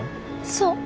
そう。